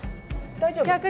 大丈夫。